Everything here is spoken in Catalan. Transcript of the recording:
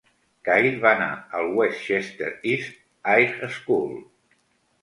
Kyle va anar al West Chester East High School.